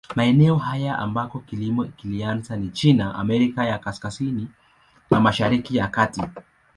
Maeneo haya ambako kilimo kilianza ni China, Amerika ya Kaskazini na Mashariki ya Kati.